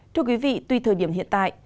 thưa quý vị tuy thời điểm hiện tại